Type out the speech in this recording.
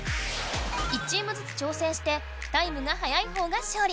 １チームずつ挑戦してタイムが早い方が勝利！